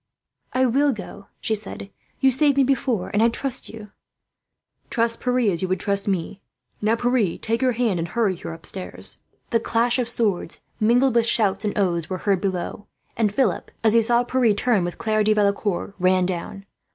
"I will go," she said. "You saved me before, and I trust you." "Trust Pierre as you would trust me," he said. "Now, Pierre, take her hand and hurry her upstairs." The clash of swords, mingled with shouts and oaths, were heard below; and Philip, as he saw Pierre turn with Claire de Valecourt, ran down.